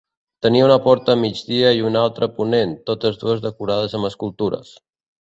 Tenia una porta a migdia i una altra a ponent, totes dues decorades amb escultures.